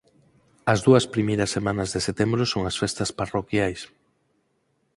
As dúas primeiras semanas de setembro son as festas parroquiais